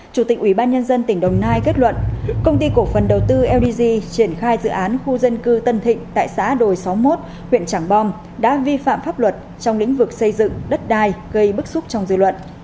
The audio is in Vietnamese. chủ tịch ủy ban nhân dân tỉnh đồng nai kết luận công ty cổ phần đầu tư ldg triển khai dự án khu dân cư tân thịnh tại xã đồi sáu mươi một huyện trảng bom đã vi phạm pháp luật trong lĩnh vực xây dựng đất đai gây bức xúc trong dư luận